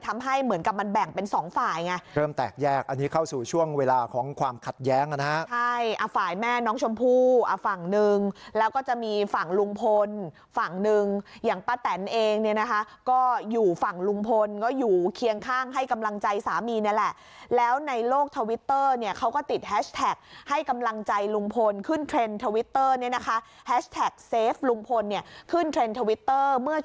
มีฝ่ายแม่น้องชมพู่ฝั่งหนึ่งแล้วก็จะมีฝั่งลุงพลฝั่งหนึ่งอย่างป้าแตนเองเนี่ยนะคะก็อยู่ฝั่งลุงพลก็อยู่เคียงข้างให้กำลังใจสามีนี่แหละแล้วในโลกทวิตเตอร์เนี่ยเขาก็ติดแฮชแท็กให้กำลังใจลุงพลขึ้นเทรนด์ทวิตเตอร์เนี่ยนะคะแฮชแท็กเซฟลุงพลเนี่ยขึ้นเทรนด์ทวิตเตอร์เมื่